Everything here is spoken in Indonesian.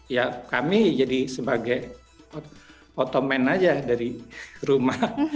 ya kami jadi sebagai otoman aja dari rumah